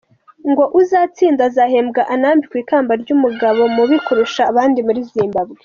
Ngo uzatsinda azahembwa anambikwe ikamba ry’umugabo mubi kurusha abandi muri Zimbabwe.